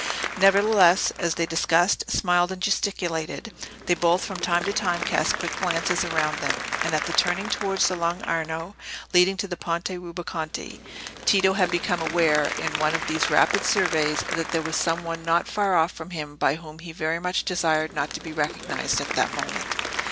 Nevertheless, as they discussed, smiled, and gesticulated, they both, from time to time, cast quick glances around them, and at the turning towards the Lung' Arno, leading to the Ponte Rubaconte, Tito had become aware, in one of these rapid surveys, that there was some one not far off him by whom he very much desired not to be recognised at that moment.